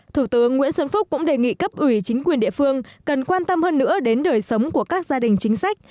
thủ tướng nguyễn xuân phúc cũng đề nghị cấp ủy chính quyền địa phương cần quan tâm hơn nữa đến đời sống của các gia đình chính sách